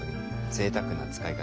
ぜいたくな使い方。